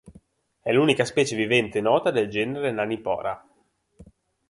È l'unica specie vivente nota del genere Nanipora.